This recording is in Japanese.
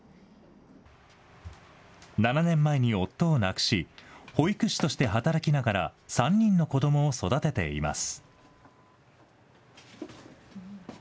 ７年前に夫を亡くし、保育士として働きながら、３人の子どもを育てています。